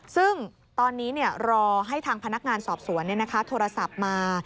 ซึ่งตอนนี้เนี่ยรอให้ทางพนักงานสอบสวนเนี่ยนะคะโทรศัพท์มา